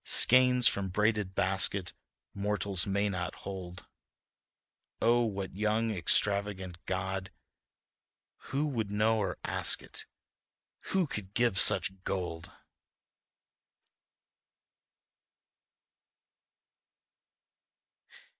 Skeins from braided basket, mortals may not hold; oh, what young extravagant God, who would know or ask it?... who could give such gold..."